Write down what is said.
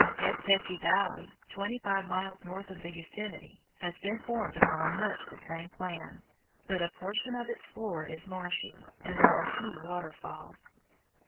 Hetch Hetchy Valley, twenty five miles north of the Yosemite, has been formed upon much the same plan, but a portion of its floor is marshy and there are few waterfalls.